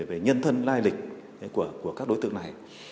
về nhân thân lai lịch của các đối tượng này